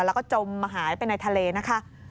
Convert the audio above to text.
แล้วก็จมหายไปในทะเลนะคะ